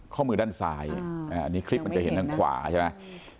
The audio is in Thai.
ข้อมือด้านซ้ายอันนี้คลิปมันจะเห็นทางขวาใช่ไหม